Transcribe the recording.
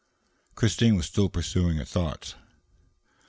Christine was still pursuing her thoughts.